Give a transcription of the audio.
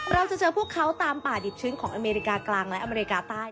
เราจะเจอพวกเขาตามป่าดิบชื้นของอเมริกากลางและอเมริกาใต้